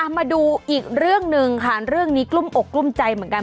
มาดูอีกเรื่องหนึ่งค่ะเรื่องนี้กลุ้มอกกลุ้มใจเหมือนกัน